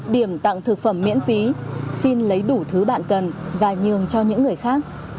điểm tặng thực phẩm miễn phí xin lấy đủ thứ bạn cần và nhường cho những người khác